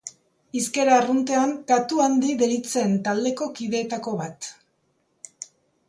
hizkera arruntean katu handi deritzen taldeko kideetako bat.